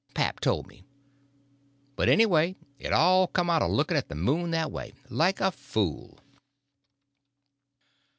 Pap told me. But anyway it all come of looking at the moon that way, like a fool.